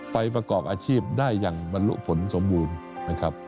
ประกอบอาชีพได้อย่างบรรลุผลสมบูรณ์นะครับ